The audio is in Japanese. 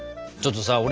ちょっとさ